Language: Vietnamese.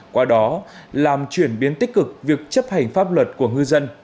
qua đó làm chuyển biến tích cực việc chấp hành pháp luật của ngư dân